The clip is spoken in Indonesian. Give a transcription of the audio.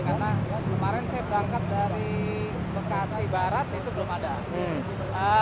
karena kemarin saya berangkat dari bekasi barat itu belum ada